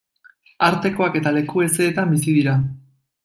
Artekoak eta leku hezeetan bizi dira.